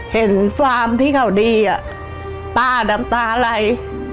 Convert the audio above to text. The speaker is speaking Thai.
เห็นฟาร์มที่เขาดีป้าดำตาลร้อน